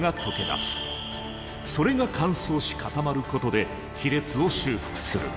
それが乾燥し固まることで亀裂を修復する。